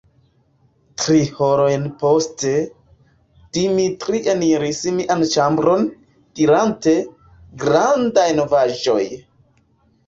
Tri horojn poste, Dimitri eniris mian ĉambron, dirante: "Grandaj novaĵoj!"